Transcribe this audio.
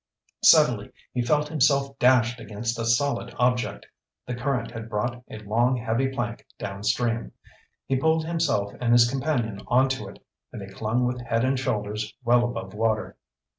Suddenly he felt himself dashed against a solid object. The current had brought a long, heavy plank downstream. He pulled himself and his companion onto it, and they clung with head and shoulders well above water.